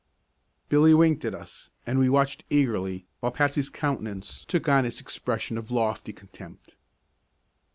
Billy winked at us and we watched eagerly while Patsy's countenance took on its expression of lofty contempt.